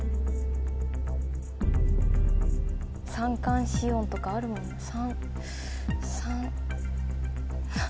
「三寒四温」とかあるもんな「三」。